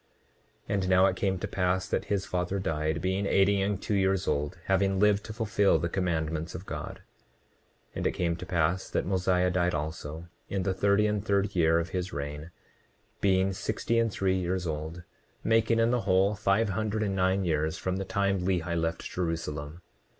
29:45 And now it came to pass that his father died, being eighty and two years old, having lived to fulfil the commandments of God. 29:46 And it came to pass that Mosiah died also, in the thirty and third year of his reign, being sixty and three years old; making in the whole, five hundred and nine years from the time Lehi left Jerusalem.